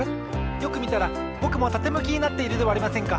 よくみたらぼくもたてむきになっているではありませんか！